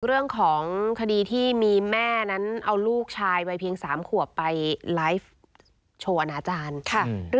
เรื่องของคดีที่มีแม่นั้นเอาลูกชายวัยเพียง๓ขวบไปไลฟ์โชว์อนาจารย์